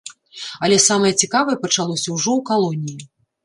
Але самае цікавае пачалося ўжо ў калоніі.